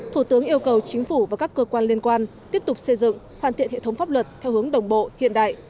thủ tướng yêu cầu chính phủ và các cơ quan liên quan tiếp tục xây dựng hoàn thiện hệ thống pháp luật theo hướng đồng bộ hiện đại